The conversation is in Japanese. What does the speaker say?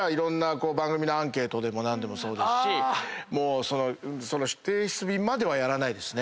番組のアンケートでも何でもそうですし提出日まではやらないですね。